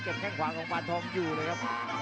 แข้งขวาของปานทองอยู่เลยครับ